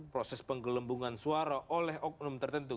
proses penggelembungan suara oleh oknum tertentu